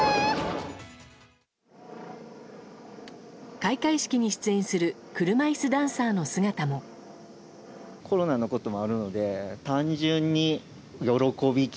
開会式に出演する車いすダンサーの姿も。